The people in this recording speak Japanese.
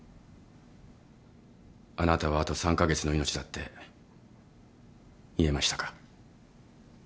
あなたはあと３カ月の命だって言えましたか？